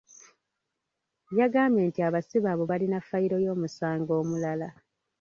Yagambye nti abasibe abo balina ffayiro y’omusango omulala.